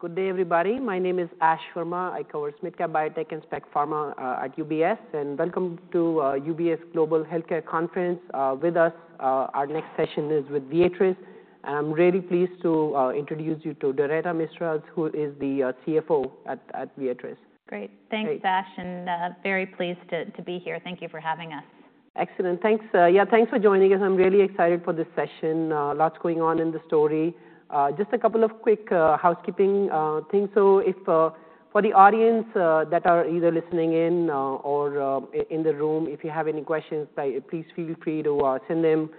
Good day, everybody. My name is Ash Verma. I cover SMID Cap Biotech and Spec Pharma at UBS, and welcome to UBS Global Healthcare Conference. With us, our next session is with Viatris, and I'm really pleased to introduce you to Doretta Mistras, who is the CFO at Viatris. Great. Thanks, Ash, and very pleased to be here. Thank you for having us. Excellent. Thanks. Yeah, thanks for joining us. I'm really excited for this session. Lots going on in the story. Just a couple of quick housekeeping things. So if for the audience that are either listening in or in the room, if you have any questions, please feel free to send them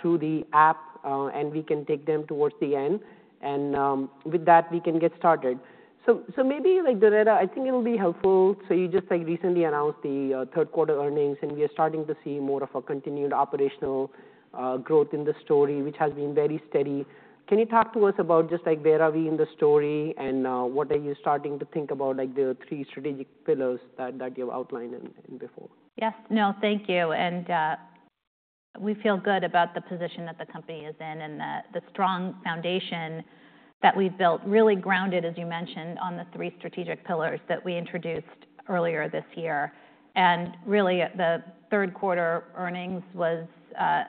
through the app, and we can take them towards the end. And with that, we can get started. So maybe, like Doretta, I think it'll be helpful. So you just recently announced the third quarter earnings, and we are starting to see more of a continued operational growth in the story, which has been very steady. Can you talk to us about just where are we in the story, and what are you starting to think about, like the three strategic pillars that you've outlined before? Yes. No, thank you. And we feel good about the position that the company is in and the strong foundation that we've built, really grounded, as you mentioned, on the three strategic pillars that we introduced earlier this year. And really, the third quarter earnings was a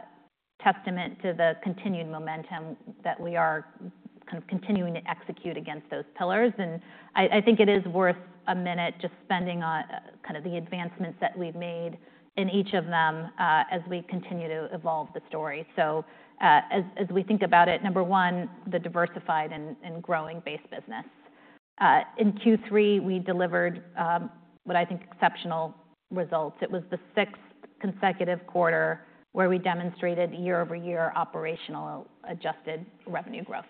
testament to the continued momentum that we are kind of continuing to execute against those pillars. And I think it is worth a minute just spending on kind of the advancements that we've made in each of them as we continue to evolve the story. So as we think about it, number one, the diversified and growing base business. In Q3, we delivered what I think are exceptional results. It was the sixth consecutive quarter where we demonstrated year-over-year operational adjusted revenue growth.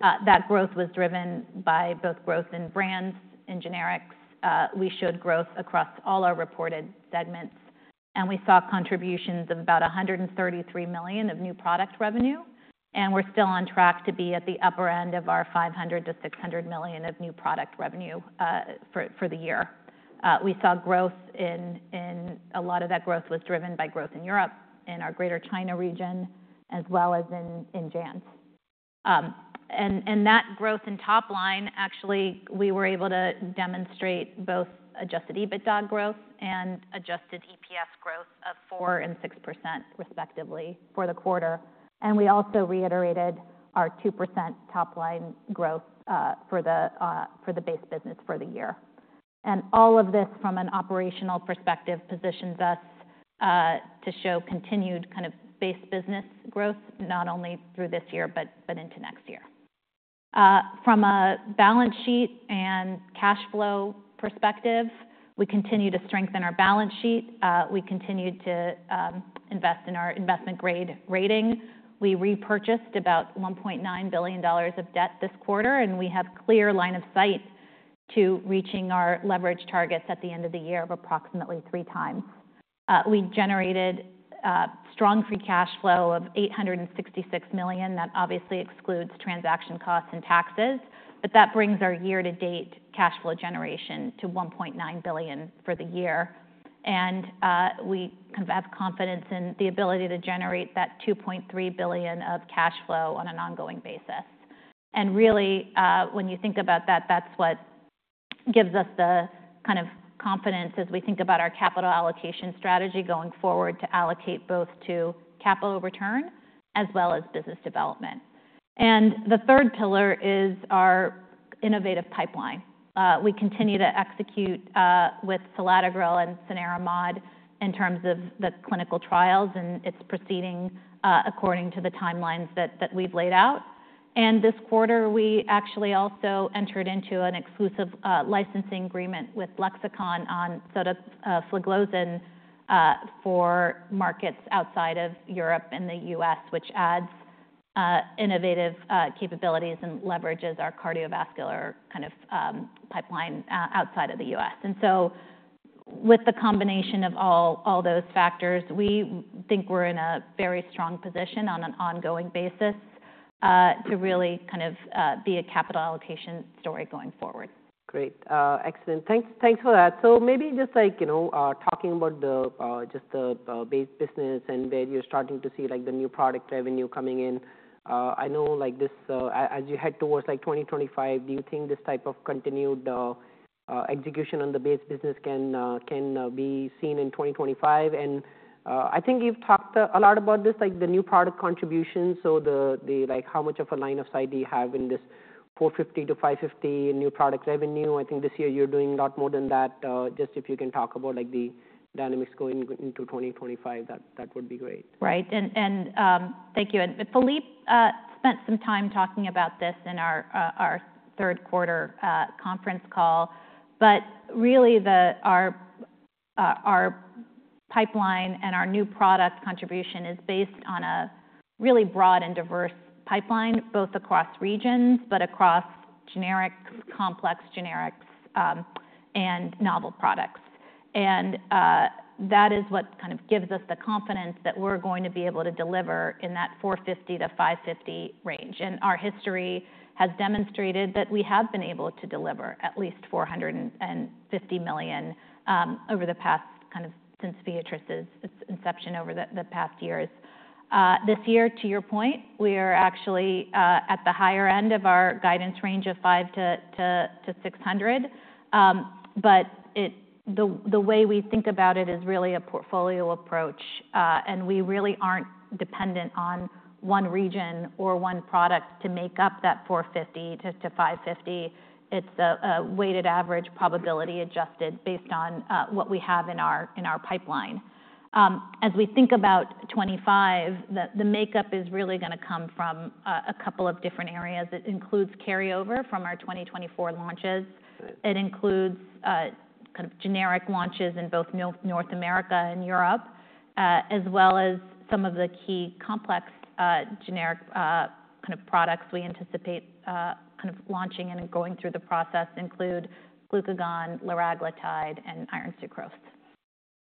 That growth was driven by both growth in brands and generics. We showed growth across all our reported segments, and we saw contributions of about $133 million of new product revenue. And we're still on track to be at the upper end of our $500 million-$600 million of new product revenue for the year. We saw growth in a lot of that, growth was driven by growth in Europe, in our Greater China region, as well as in JANZ. And that growth in top line, actually, we were able to demonstrate both Adjusted EBITDA growth and Adjusted EPS growth of 4% and 6%, respectively, for the quarter. And we also reiterated our 2% top line growth for the base business for the year. And all of this, from an operational perspective, positions us to show continued kind of base business growth, not only through this year, but into next year. From a balance sheet and cash flow perspective, we continue to strengthen our balance sheet. We continue to invest in our investment grade rating. We repurchased about $1.9 billion of debt this quarter, and we have a clear line of sight to reaching our leverage targets at the end of the year of approximately three times. We generated strong free cash flow of $866 million. That obviously excludes transaction costs and taxes, but that brings our year-to-date cash flow generation to $1.9 billion for the year. And we have confidence in the ability to generate that $2.3 billion of cash flow on an ongoing basis. And really, when you think about that, that's what gives us the kind of confidence as we think about our capital allocation strategy going forward to allocate both to capital return as well as business development. And the third pillar is our innovative pipeline. We continue to execute with selatogrel and cenerimod in terms of the clinical trials, and it's proceeding according to the timelines that we've laid out. And this quarter, we actually also entered into an exclusive licensing agreement with Lexicon on sotagliflozin for markets outside of Europe and the U.S., which adds innovative capabilities and leverages our cardiovascular kind of pipeline outside of the U.S. And so with the combination of all those factors, we think we're in a very strong position on an ongoing basis to really kind of be a capital allocation story going forward. Great. Excellent. Thanks for that. So maybe just talking about just the base business and where you're starting to see the new product revenue coming in. I know as you head towards 2025, do you think this type of continued execution on the base business can be seen in 2025? I think you've talked a lot about this, like the new product contributions. So how much of a line of sight do you have in this $450-$550 new product revenue? I think this year you're doing a lot more than that. Just if you can talk about the dynamics going into 2025, that would be great. Right. And thank you. And Philippe spent some time talking about this in our third quarter conference call. But really, our pipeline and our new product contribution is based on a really broad and diverse pipeline, both across regions, but across complex generics and novel products. And that is what kind of gives us the confidence that we're going to be able to deliver in that $450 million-$550 million range. And our history has demonstrated that we have been able to deliver at least $450 million over the past kind of since Viatris's inception over the past years. This year, to your point, we are actually at the higher end of our guidance range of $500 million-$600 million. But the way we think about it is really a portfolio approach, and we really aren't dependent on one region or one product to make up that $450 million-$550 million. It's a weighted average probability adjusted based on what we have in our pipeline. As we think about 2025, the makeup is really going to come from a couple of different areas. It includes carryover from our 2024 launches. It includes kind of generic launches in both North America and Europe, as well as some of the key complex generic kind of products we anticipate kind of launching and going through the process include glucagon, liraglutide, and iron sucrose.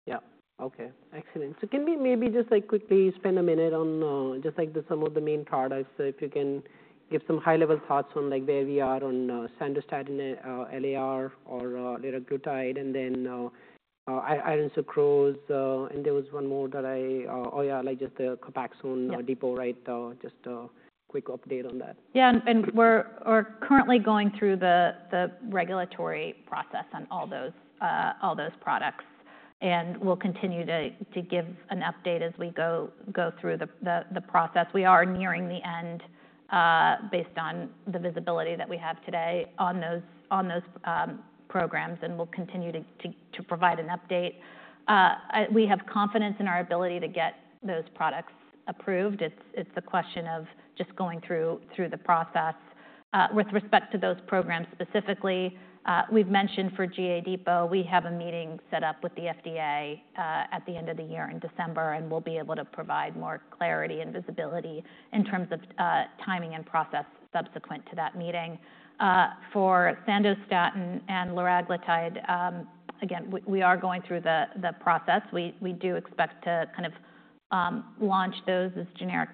Yeah. Okay. Excellent. So can we maybe just quickly spend a minute on just some of the main products, if you can give some high-level thoughts on where we are on Sandostatin LAR or liraglutide, and then iron sucrose. And there was one more that I oh, yeah, like just the Copaxone Depot, right? Just a quick update on that. Yeah, and we're currently going through the regulatory process on all those products, and we'll continue to give an update as we go through the process. We are nearing the end based on the visibility that we have today on those programs, and we'll continue to provide an update. We have confidence in our ability to get those products approved. It's a question of just going through the process. With respect to those programs specifically, we've mentioned for GA Depot, we have a meeting set up with the FDA at the end of the year in December, and we'll be able to provide more clarity and visibility in terms of timing and process subsequent to that meeting. For Sandostatin and liraglutide, again, we are going through the process. We do expect to kind of launch those as generic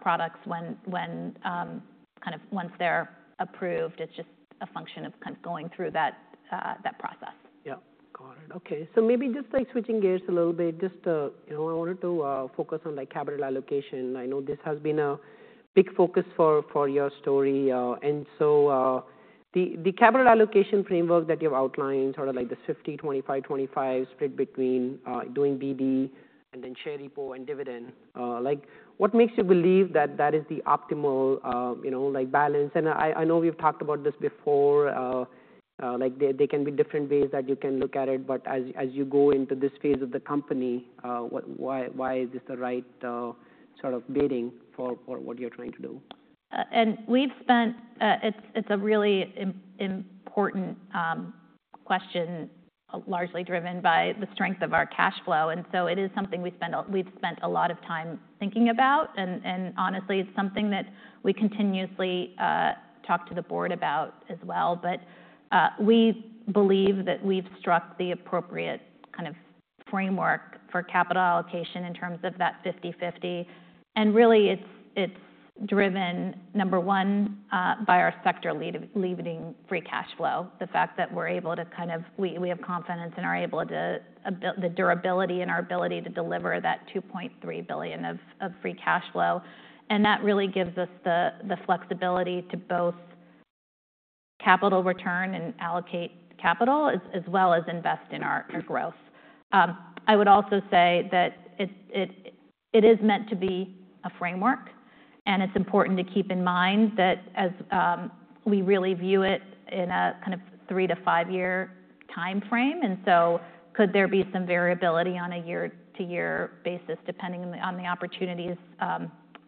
products kind of once they're approved. It's just a function of kind of going through that process. Yeah. Got it. Okay. So maybe just switching gears a little bit, just I wanted to focus on capital allocation. I know this has been a big focus for your story. And so the capital allocation framework that you've outlined, sort of like this 50/25/25 split between doing BD and then share repo and dividend, what makes you believe that that is the optimal balance? And I know we've talked about this before. There can be different ways that you can look at it, but as you go into this phase of the company, why is this the right sort of betting for what you're trying to do? It's a really important question, largely driven by the strength of our cash flow. So it is something we've spent a lot of time thinking about. And honestly, it's something that we continuously talk to the board about as well. But we believe that we've struck the appropriate kind of framework for capital allocation in terms of that 50/50. And really, it's driven, number one, by our sector-leading free cash flow, the fact that we have confidence and are able to build the durability and our ability to deliver that $2.3 billion of free cash flow. And that really gives us the flexibility to both capital return and allocate capital, as well as invest in our growth. I would also say that it is meant to be a framework, and it's important to keep in mind that we really view it in a kind of three to five-year time frame. And so could there be some variability on a year-to-year basis depending on the opportunities?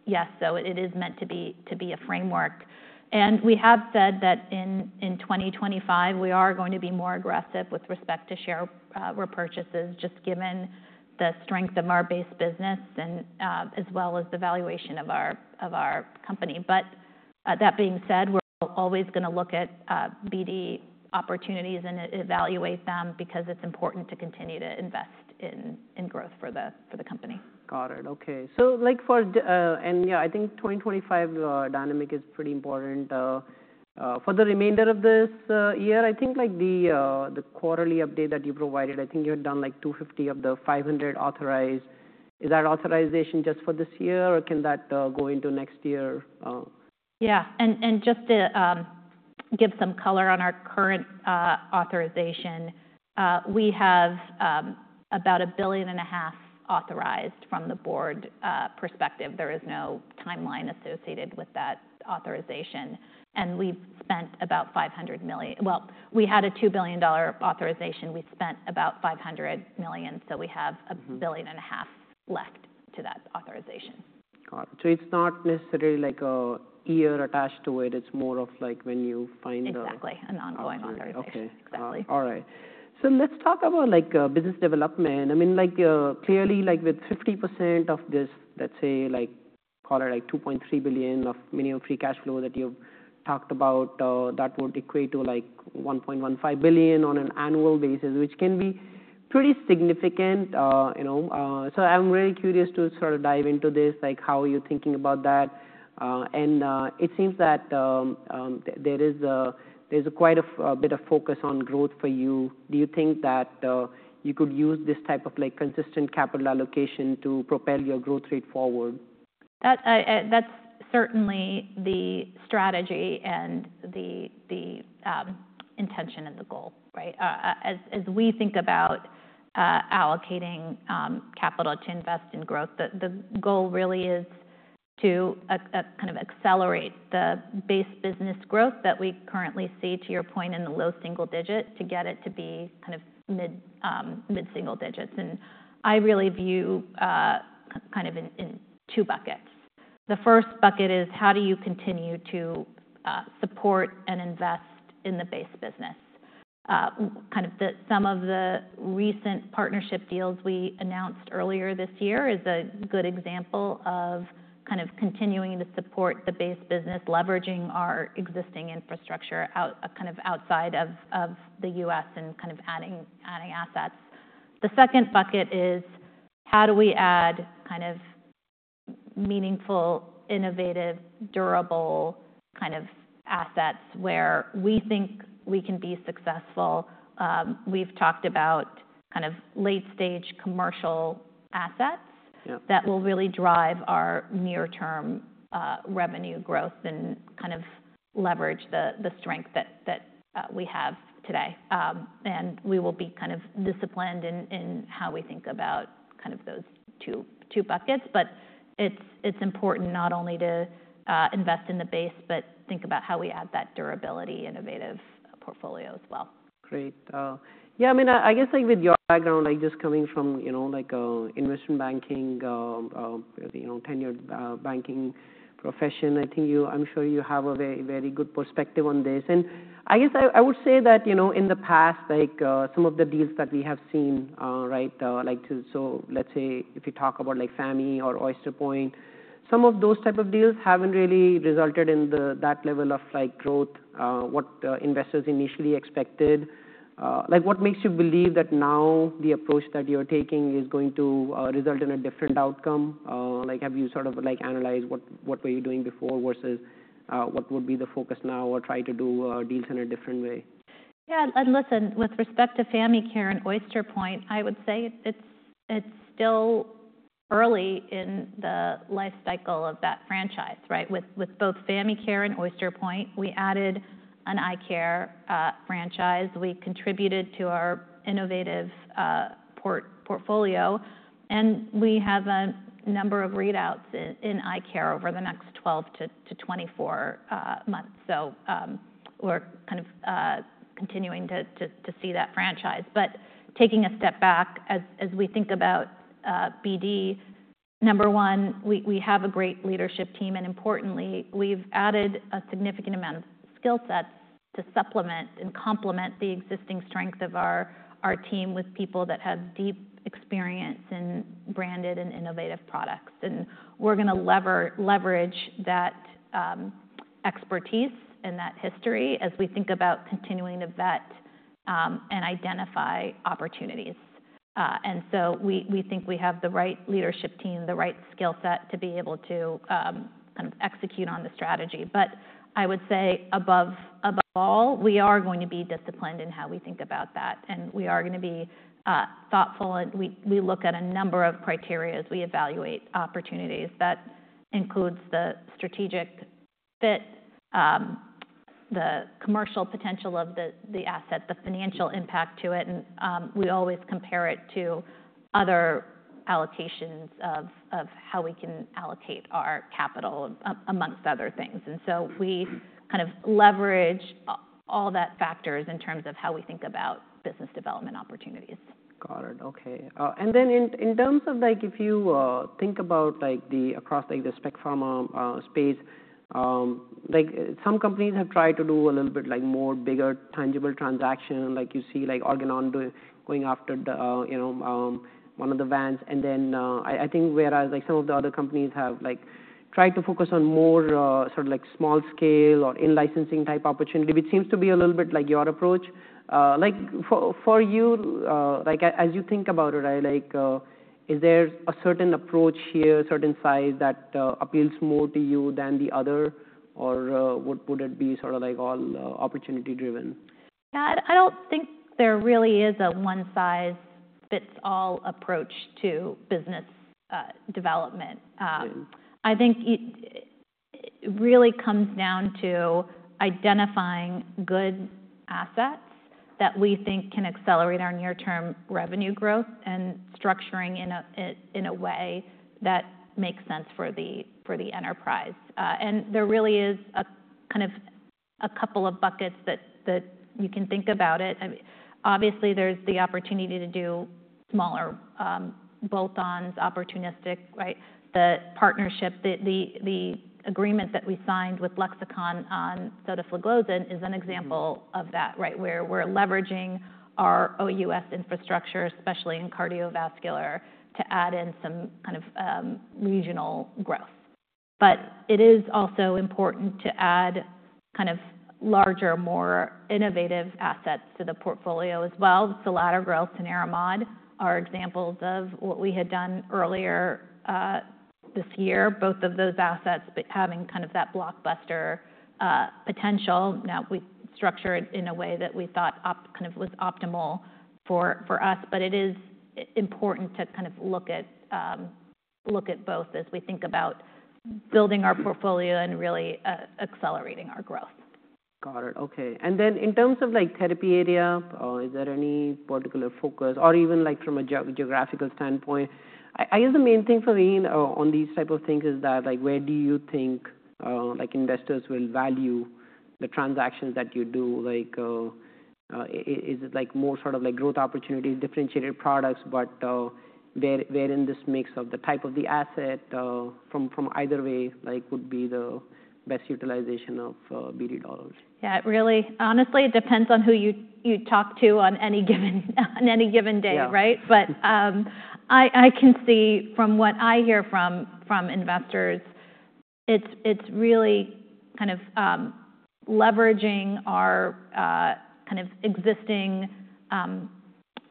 Yes. So it is meant to be a framework. And we have said that in 2025, we are going to be more aggressive with respect to share repurchases, just given the strength of our base business, as well as the valuation of our company. But that being said, we're always going to look at BD opportunities and evaluate them because it's important to continue to invest in growth for the company. Got it. Okay. So yeah, I think 2025 dynamic is pretty important. For the remainder of this year, I think the quarterly update that you provided, I think you had done like 250 of the 500 authorized. Is that authorization just for this year, or can that go into next year? Yeah, and just to give some color on our current authorization, we have about $1.5 billion authorized from the board perspective. There is no timeline associated with that authorization. We have spent about $500 million. We had a $2 billion authorization. We spent about $500 million. So we have $1.5 billion left to that authorization. Got it. So it's not necessarily like a year attached to it. It's more of like when you find. Exactly. An ongoing authorization. Exactly. All right. So let's talk about business development. I mean, clearly, with 50% of this, let's say, call it like $2.3 billion of minimum free cash flow that you've talked about, that would equate to like $1.15 billion on an annual basis, which can be pretty significant. So I'm really curious to sort of dive into this, how are you thinking about that? And it seems that there is quite a bit of focus on growth for you. Do you think that you could use this type of consistent capital allocation to propel your growth rate forward? That's certainly the strategy and the intention and the goal, right? As we think about allocating capital to invest in growth, the goal really is to kind of accelerate the base business growth that we currently see, to your point, in the low single digit, to get it to be kind of mid-single digits. And I really view kind of in two buckets. The first bucket is how do you continue to support and invest in the base business? Kind of some of the recent partnership deals we announced earlier this year is a good example of kind of continuing to support the base business, leveraging our existing infrastructure kind of outside of the U.S. and kind of adding assets. The second bucket is how do we add kind of meaningful, innovative, durable kind of assets where we think we can be successful? We've talked about kind of late-stage commercial assets that will really drive our near-term revenue growth and kind of leverage the strength that we have today. And we will be kind of disciplined in how we think about kind of those two buckets. But it's important not only to invest in the base, but think about how we add that durability, innovative portfolio as well. Great. Yeah. I mean, I guess with your background, just coming from investment banking, tenured banking profession, I think I'm sure you have a very good perspective on this, and I guess I would say that in the past, some of the deals that we have seen, right, so let's say if you talk about Famy or Oyster Point, some of those types of deals haven't really resulted in that level of growth, what investors initially expected. What makes you believe that now the approach that you're taking is going to result in a different outcome? Have you sort of analyzed what were you doing before versus what would be the focus now or try to do deals in a different way? Yeah. And listen, with respect to Famy and Oyster Point, I would say it's still early in the life cycle of that franchise, right? With both Famy and Oyster Point, we added an eye care franchise. We contributed to our innovative portfolio, and we have a number of readouts in eye care over the next 12-24 months. So we're kind of continuing to see that franchise. But taking a step back, as we think about BD, number one, we have a great leadership team. And importantly, we've added a significant amount of skill sets to supplement and complement the existing strength of our team with people that have deep experience in branded and innovative products. And we're going to leverage that expertise and that history as we think about continuing to vet and identify opportunities. And so we think we have the right leadership team, the right skill set to be able to kind of execute on the strategy. But I would say above all, we are going to be disciplined in how we think about that. And we are going to be thoughtful. And we look at a number of criteria. We evaluate opportunities. That includes the strategic fit, the commercial potential of the asset, the financial impact to it. And we always compare it to other allocations of how we can allocate our capital, amongst other things. And so we kind of leverage all that factors in terms of how we think about business development opportunities. Got it. Okay. And then in terms of if you think about across the spec pharma space, some companies have tried to do a little bit more bigger tangible transaction. You see Organon going after one of the Vants. And then I think whereas some of the other companies have tried to focus on more sort of small scale or in-licensing type opportunity, which seems to be a little bit like your approach. For you, as you think about it, is there a certain approach here, a certain size that appeals more to you than the other, or would it be sort of all opportunity-driven? Yeah. I don't think there really is a one-size-fits-all approach to business development. I think it really comes down to identifying good assets that we think can accelerate our near-term revenue growth and structuring in a way that makes sense for the enterprise. And there really is kind of a couple of buckets that you can think about it. Obviously, there's the opportunity to do smaller bolt-ons, opportunistic, right? The partnership, the agreement that we signed with Lexicon on sotagliflozin is an example of that, right? Where we're leveraging our U.S. infrastructure, especially in cardiovascular, to add in some kind of regional growth. But it is also important to add kind of larger, more innovative assets to the portfolio as well. selatogrel and cenerimod are examples of what we had done earlier this year, both of those assets having kind of that blockbuster potential. Now, we structured in a way that we thought kind of was optimal for us, but it is important to kind of look at both as we think about building our portfolio and really accelerating our growth. Got it. Okay. And then in terms of therapy area, is there any particular focus or even from a geographical standpoint? I guess the main thing for me on these types of things is that where do you think investors will value the transactions that you do? Is it more sort of growth opportunities, differentiated products, but where in this mix of the type of the asset from either way would be the best utilization of BD dollars? Yeah. Honestly, it depends on who you talk to on any given day, right? But I can see from what I hear from investors, it's really kind of leveraging our kind of existing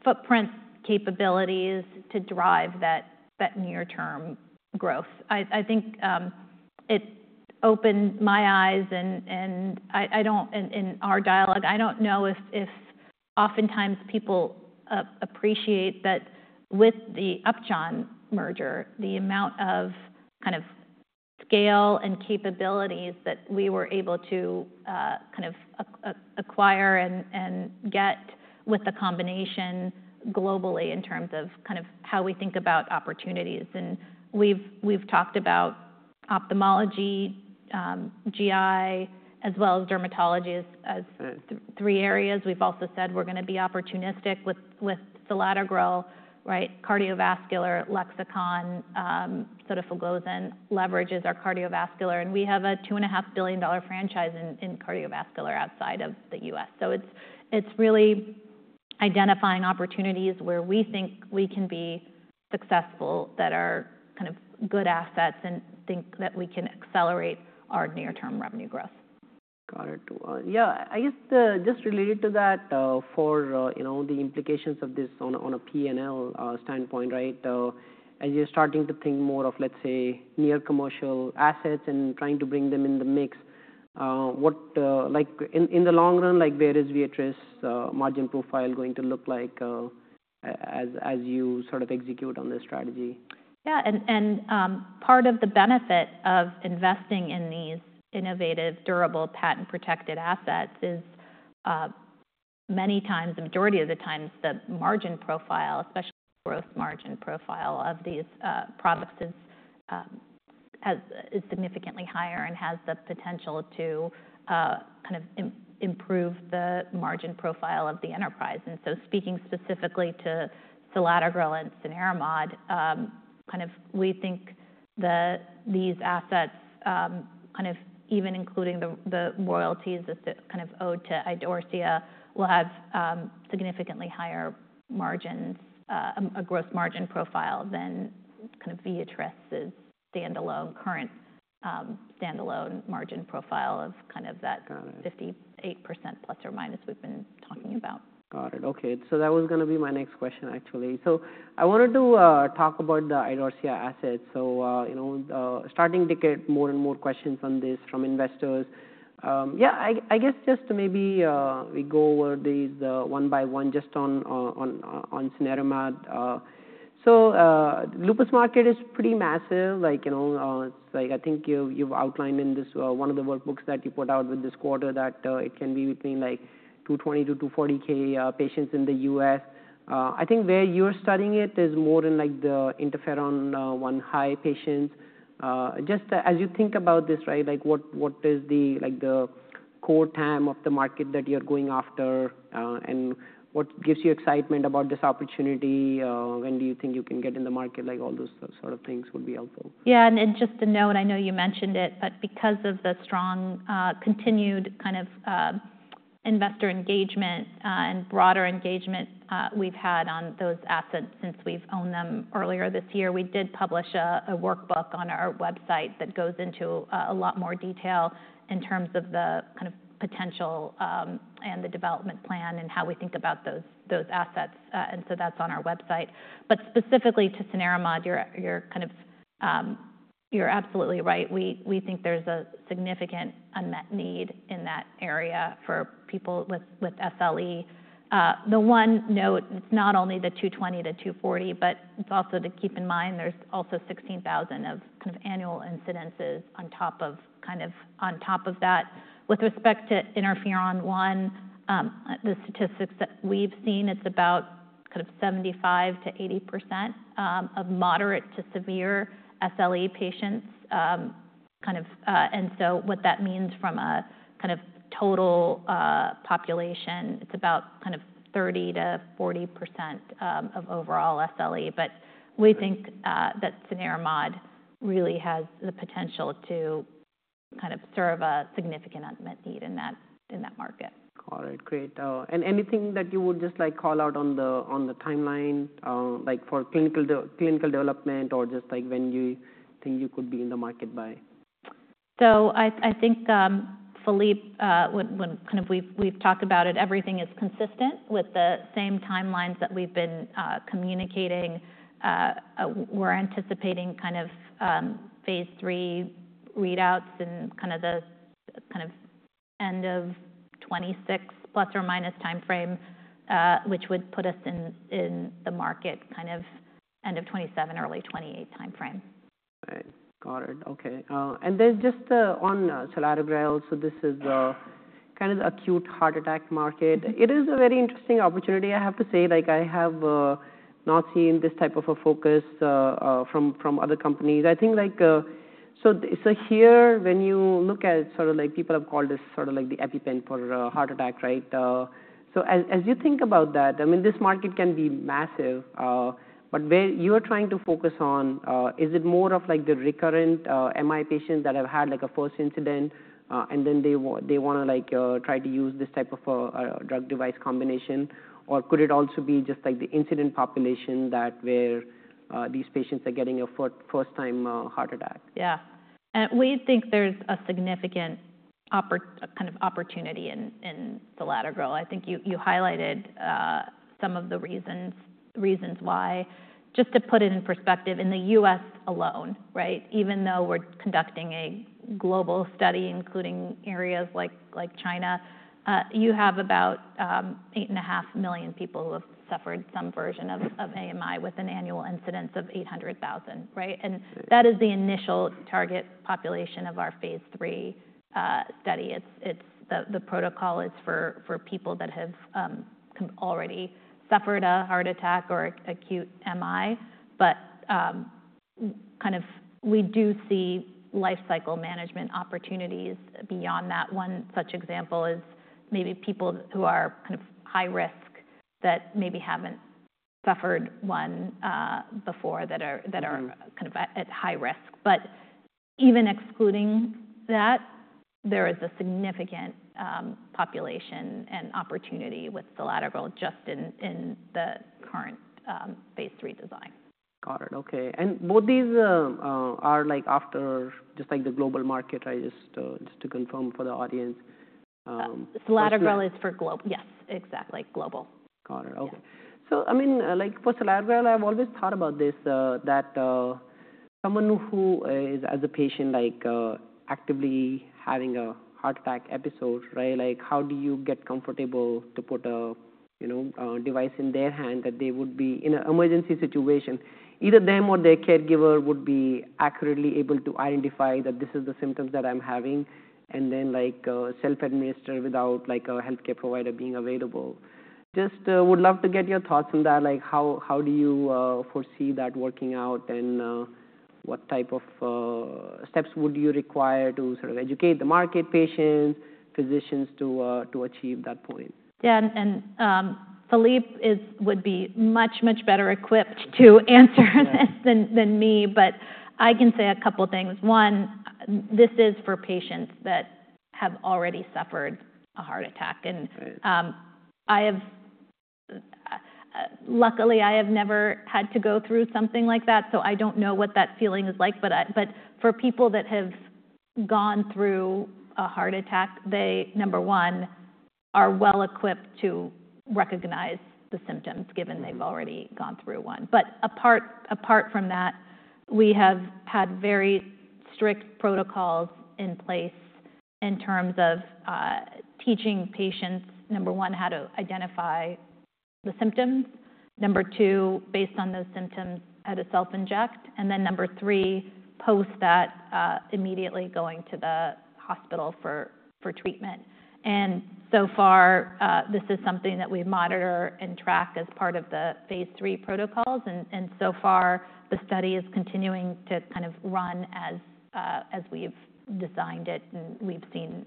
footprint capabilities to drive that near-term growth. I think it opened my eyes. And in our dialogue, I don't know if oftentimes people appreciate that with the Upjohn merger, the amount of kind of scale and capabilities that we were able to kind of acquire and get with the combination globally in terms of kind of how we think about opportunities. And we've talked about ophthalmology, GI, as well as dermatology as three areas. We've also said we're going to be opportunistic with selatogrel, right? Cardiovascular, Lexicon, sotagliflozin leverages our cardiovascular. And we have a $2.5 billion franchise in cardiovascular outside of the U.S. So it's really identifying opportunities where we think we can be successful that are kind of good assets and think that we can accelerate our near-term revenue growth. Got it. Yeah. I guess just related to that, for the implications of this on a P&L standpoint, right? As you're starting to think more of, let's say, near-commercial assets and trying to bring them in the mix, in the long run, where is Viatris' margin profile going to look like as you sort of execute on this strategy? Yeah. And part of the benefit of investing in these innovative, durable, patent-protected assets is many times, the majority of the times, the margin profile, especially growth margin profile of these products, is significantly higher and has the potential to kind of improve the margin profile of the enterprise. And so speaking specifically to selatogrel and cenerimod, kind of we think these assets, kind of even including the royalties kind of owed to Idorsia, will have significantly higher margins, a gross margin profile than kind of Viatris' current standalone margin profile of kind of that 58% plus or minus we've been talking about. Got it. Okay. So that was going to be my next question, actually. So I wanted to talk about the Idorsia assets. So starting to get more and more questions on this from investors. Yeah. I guess just maybe we go over these one by one just on cenerimod. So lupus market is pretty massive. I think you've outlined in one of the workbooks that you put out with this quarter that it can be between 220,000 to 240,000 patients in the U.S. I think where you're studying it is more in the interferon-1 high patients. Just as you think about this, right? What is the core TAM of the market that you're going after? And what gives you excitement about this opportunity? When do you think you can get in the market? All those sort of things would be helpful. Yeah. And just to note, I know you mentioned it, but because of the strong continued kind of investor engagement and broader engagement we've had on those assets since we've owned them earlier this year, we did publish a workbook on our website that goes into a lot more detail in terms of the kind of potential and the development plan and how we think about those assets. And so that's on our website. But specifically to Cenerimod, you're absolutely right. We think there's a significant unmet need in that area for people with SLE. The one note, it's not only the 220-240, but it's also to keep in mind there's also 16,000 of kind of annual incidences on top of kind of on top of that. With respect to interferon-1, the statistics that we've seen, it's about kind of 75%-80% of moderate to severe SLE patients. Kind of, and so what that means from a kind of total population, it's about kind of 30%-40% of overall SLE. But we think that cenerimod really has the potential to kind of serve a significant unmet need in that market. Got it. Great. And anything that you would just call out on the timeline for clinical development or just when you think you could be in the market by? I think, Philippe, when kind of we've talked about it, everything is consistent with the same timelines that we've been communicating. We're anticipating kind of phase three readouts in kind of the end of 2026 plus or minus timeframe, which would put us in the market kind of end of 2027, early 2028 timeframe. Right. Got it. Okay. And then just on selatogrel, so this is kind of the acute heart attack market. It is a very interesting opportunity, I have to say. I have not seen this type of a focus from other companies. I think so here, when you look at sort of people have called this sort of the EpiPen for heart attack, right? So as you think about that, I mean, this market can be massive. But where you are trying to focus on, is it more of the recurrent MI patients that have had a first incident and then they want to try to use this type of a drug-device combination? Or could it also be just the incident population that where these patients are getting a first-time heart attack? Yeah. And we think there's a significant kind of opportunity in selatogrel. I think you highlighted some of the reasons why. Just to put it in perspective, in the U.S. alone, right? Even though we're conducting a global study including areas like China, you have about 8.5 million people who have suffered some version of AMI with an annual incidence of 800,000, right? And that is the initial target population of our phase three study. The protocol is for people that have already suffered a heart attack or acute MI. But kind of we do see lifecycle management opportunities beyond that. One such example is maybe people who are kind of high risk that maybe haven't suffered one before that are kind of at high risk. But even excluding that, there is a significant population and opportunity with selatogrel just in the current phase three design. Got it. Okay, and what these are after just the global market, right? Just to confirm for the audience. selatogrel is for global. Yes, exactly. Global. Got it. Okay. So I mean, for selatogrel, I've always thought about this, that someone who is as a patient actively having a heart attack episode, right? How do you get comfortable to put a device in their hand that they would be in an emergency situation? Either them or their caregiver would be accurately able to identify that this is the symptoms that I'm having and then self-administer without a healthcare provider being available. Just would love to get your thoughts on that. How do you foresee that working out? And what type of steps would you require to sort of educate the market, patients, physicians to achieve that point? Yeah, and Philippe would be much, much better equipped to answer than me. But I can say a couple of things. One, this is for patients that have already suffered a heart attack, and luckily, I have never had to go through something like that. So I don't know what that feeling is like, but for people that have gone through a heart attack, they, number one, are well equipped to recognize the symptoms given they've already gone through one, but apart from that, we have had very strict protocols in place in terms of teaching patients, number one, how to identify the symptoms. Number two, based on those symptoms, how to self-inject, and then number three, post that immediately going to the hospital for treatment. And so far, this is something that we monitor and track as part of the phase three protocols. So far, the study is continuing to kind of run as we've designed it. We've seen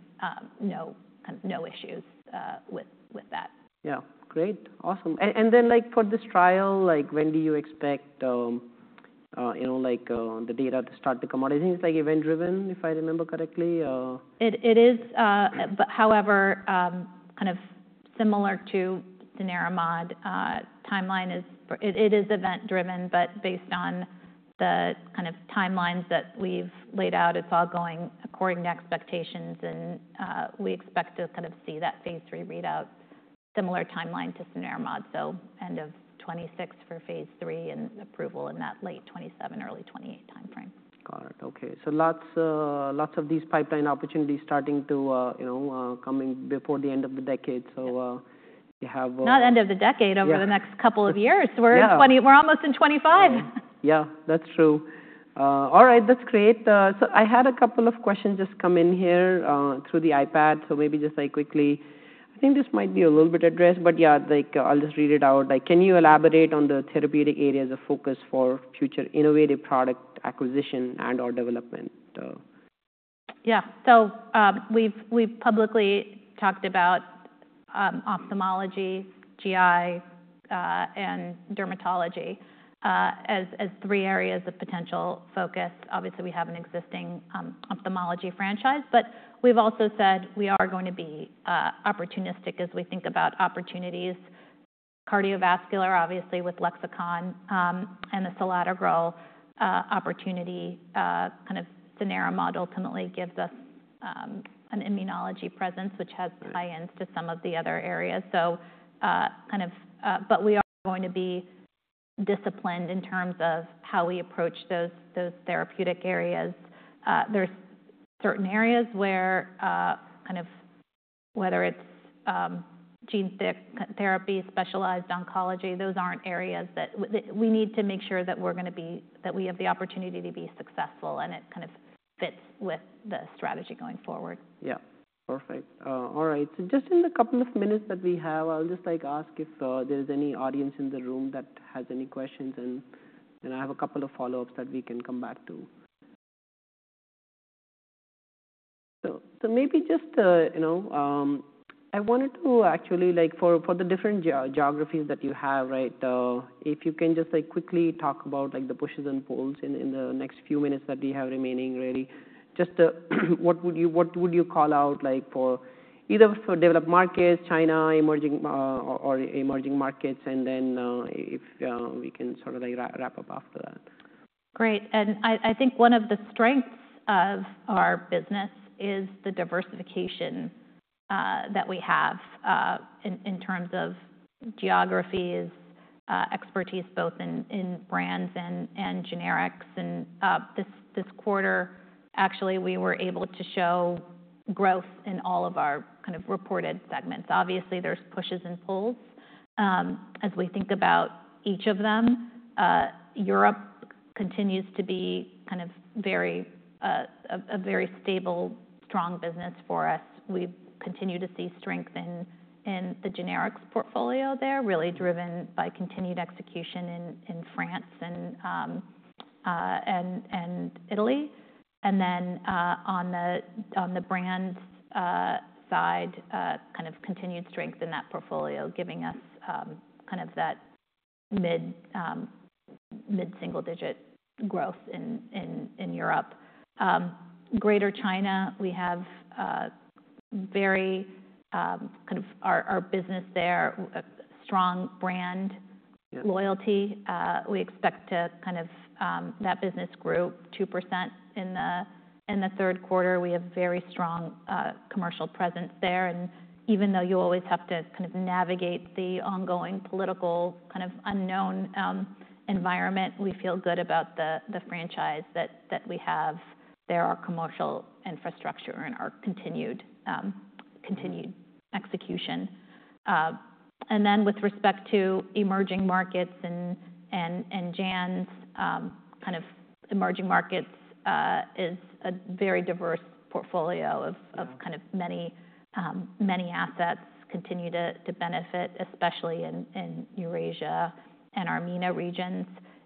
no issues with that. Yeah. Great. Awesome. And then for this trial, when do you expect the data to start to come out? I think it's event-driven, if I remember correctly. It is, but however, kind of similar to Cenerimod, timeline is it is event-driven, but based on the kind of timelines that we've laid out, it's all going according to expectations. And we expect to kind of see that phase 3 readout similar timeline to Cenerimod, so end of 2026 for phase 3 and approval in that late 2027, early 2028 timeframe. Got it. Okay. So lots of these pipeline opportunities starting to come in before the end of the decade. So you have. Not end of the decade, over the next couple of years. We're almost in 2025. Yeah. That's true. All right. That's great. So I had a couple of questions just come in here through the iPad. So maybe just quickly, I think this might be a little bit addressed. But yeah, I'll just read it out. Can you elaborate on the therapeutic areas of focus for future innovative product acquisition and/or development? Yeah. So we've publicly talked about ophthalmology, GI, and dermatology as three areas of potential focus. Obviously, we have an existing ophthalmology franchise, but we've also said we are going to be opportunistic as we think about opportunities: cardiovascular, obviously, with Lexicon and the selatogrel opportunity. Kind of, Cenerimod ultimately gives us an immunology presence, which has tie-ins to some of the other areas, so kind of, but we are going to be disciplined in terms of how we approach those therapeutic areas. There's certain areas where kind of whether it's gene therapy, specialized oncology, those aren't areas that we need to make sure that we have the opportunity to be successful, and it kind of fits with the strategy going forward. Yeah. Perfect. All right. So just in the couple of minutes that we have, I'll just ask if there's any audience in the room that has any questions. And I have a couple of follow-ups that we can come back to. So maybe just I wanted to actually for the different geographies that you have, right? If you can just quickly talk about the pushes and pulls in the next few minutes that we have remaining, really. Just what would you call out for either for developed markets, China, emerging or emerging markets? And then if we can sort of wrap up after that. Great, and I think one of the strengths of our business is the diversification that we have in terms of geographies, expertise both in brands and generics, and this quarter, actually, we were able to show growth in all of our kind of reported segments. Obviously, there's pushes and pulls as we think about each of them. Europe continues to be kind of a very stable, strong business for us. We continue to see strength in the generics portfolio there, really driven by continued execution in France and Italy, and then on the brands side, kind of continued strength in that portfolio, giving us kind of that mid-single-digit growth in Europe. Greater China, we have very kind of our business there, strong brand loyalty. We expect to kind of that business grew 2% in the third quarter. We have very strong commercial presence there. Even though you always have to kind of navigate the ongoing political kind of unknown environment, we feel good about the franchise that we have there, our commercial infrastructure and our continued execution. With respect to emerging markets and JANZ, kind of emerging markets is a very diverse portfolio of kind of many assets continue to benefit, especially in Eurasia and Armenia regions.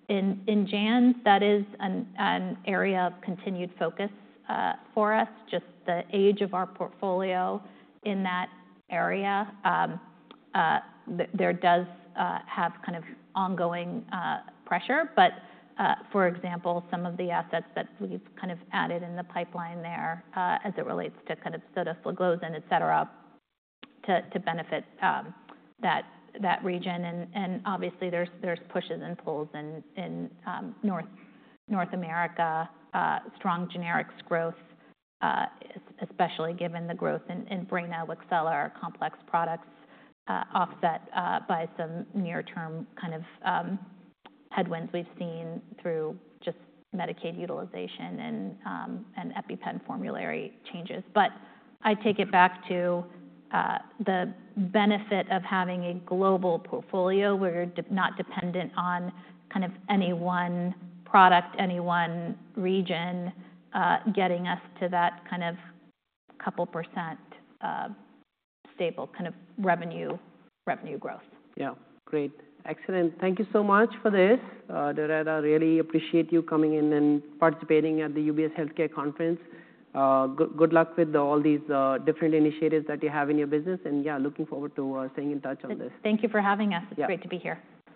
In JANZ, that is an area of continued focus for us. Just the age of our portfolio in that area, there does have kind of ongoing pressure. But for example, some of the assets that we've kind of added in the pipeline there as it relates to kind of sotagliflozin, glucagon, etc., to benefit that region. Obviously, there's pushes and pulls in North America, strong generics growth, especially given the growth in Breyna, Wixela, our complex products offset by some near-term kind of headwinds we've seen through just Medicaid utilization and EpiPen formulary changes. I take it back to the benefit of having a global portfolio where you're not dependent on kind of any one product, any one region getting us to that kind of couple percent stable kind of revenue growth. Yeah. Great. Excellent. Thank you so much for this, Doretta. Really appreciate you coming in and participating at the UBS Healthcare Conference. Good luck with all these different initiatives that you have in your business. And yeah, looking forward to staying in touch on this. Thank you for having us. It's great to be here.